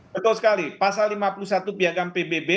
betul sekali pasal lima puluh satu piagam pbb